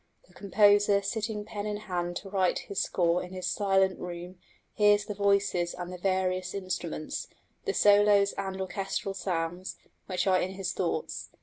The composer sitting pen in hand to write his score in his silent room hears the voices and the various instruments, the solos and orchestral sounds, which are in his thoughts.